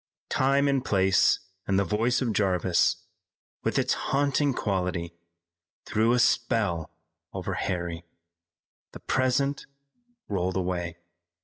Time and place and the voice of Jarvis, with its haunting quality, threw a spell over Harry. The present rolled away.